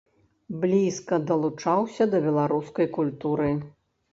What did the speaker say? Блізка далучаўся да беларускай культуры.